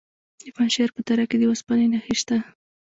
د پنجشیر په دره کې د اوسپنې نښې شته.